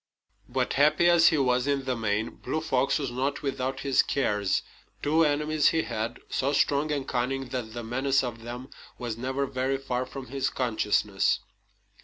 But happy as he was in the main, Blue Fox was not without his cares. Two enemies he had, so strong and cunning that the menace of them was never very far from his consciousness.